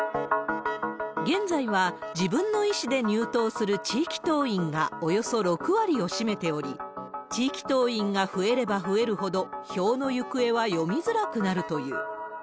現在は、自分の意思で入党する地域党員がおよそ６割を占めており、地域党員が増えれば増えるほど、票の行方は読みづらくなるという。